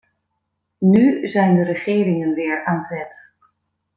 Nu zijn de regeringen weer aan zet.